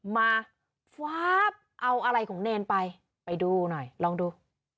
มาฟ้าบเอาอะไรของเนรไปไปดูหน่อยลองดู